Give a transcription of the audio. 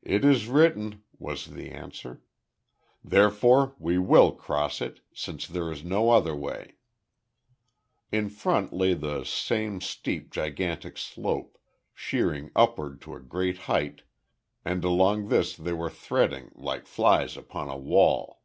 "It is written," was the answer. "Therefore we will cross it, since there is no other way." In front lay the same steep gigantic slope, sheering upward to a great height, and along this they were threading, like flies upon a wall.